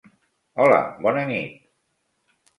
Hola, bona nit.